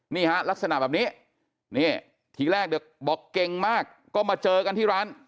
นี่ฮะลักษณะแบบนี้นี่ทีแรกเด็กบอกเก่งมากก็มาเจอกันที่ร้าน